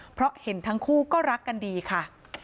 เพราะเห็นทั้งคู่ก็รักกันดีค่ะ